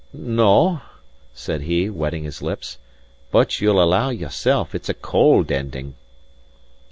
"No," said he, wetting his lips, "but you'll allow, yourself, it's a cold ending."